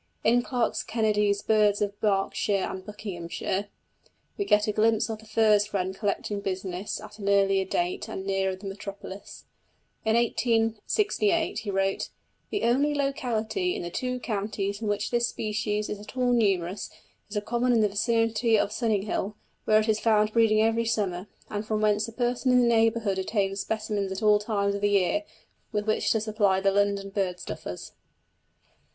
In Clark's Kennedy's Birds of Berkshire and Buckinghamshire we get a glimpse of the furze wren collecting business at an earlier date and nearer the metropolis. In 1868 he wrote: "The only locality in the two counties in which this species is at all numerous, is a common in the vicinity of Sunninghill, where it is found breeding every summer, and from whence a person in the neighbourhood obtains specimens at all times of the year, with which to supply the London bird stuffers."